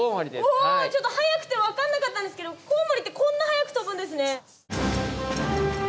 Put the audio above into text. ちょっと速くて分かんなかったんですけどコウモリってこんな速く飛ぶんですね。